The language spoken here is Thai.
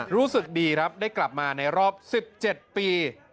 รู้สึกดีครับได้กลับมาในรอบ๑๗ปี